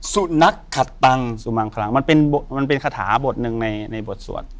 สุนัขขัดตังสุมังคลังมันเป็นคาถาบทหนึ่งในบทสวด